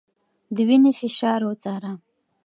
د وينې فشار وڅاره